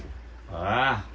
ああ？